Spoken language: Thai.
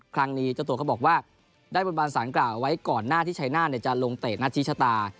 ครั้งนี้เจ้าตัวเขาบอกว่าได้บนบานสารกล่าวเอาไว้ก่อนหน้าที่ชัยหน้าจะลงเตะหน้าที่ชะตา